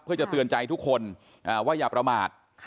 เพื่อจะเตือนใจทุกคนว่าอย่าประมาท